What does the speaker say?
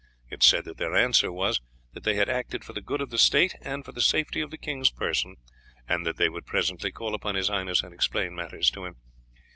It is said that their answer was that they had acted for the good of the state, and for the safety of the king's person, and that they would presently call upon his highness and explain matters to him.